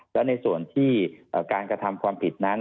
และในส่วนที่การกระทำความผิดนั้น